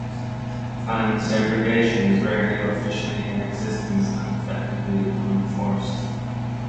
Fan segregation is rarely officially in existence and effectively unenforced.